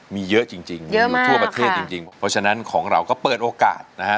มีเยอะจริงมีทั่วประเทศจริงเพราะฉะนั้นของเราก็เปิดโอกาสนะฮะ